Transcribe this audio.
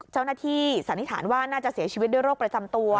เจ้าหน้าที่สันนิษฐานว่าน่าจะเสียชีวิตด้วยโรคประจำตัว